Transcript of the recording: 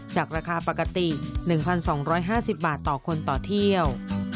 จากราคาปกติ๑๒๕๐บาทต่อคนต่อเที่ยว